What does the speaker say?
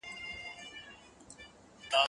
که وخت وي، ونې ته اوبه ورکوم؟!